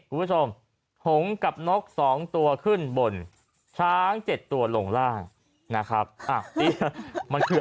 คุณผู้ชมหงกับนกสองตัวขึ้นบนช้างเจ็ดตัวลงล่างนะครับอ้าวนี่มันคือ